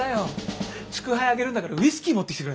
祝杯上げるんだからウイスキー持ってきてくれ。